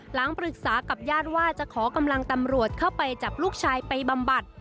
หลังปรึกษากับญาติว่าจะขอกำลังตำรวจเข้าไปจับลูกชายไปบำบัด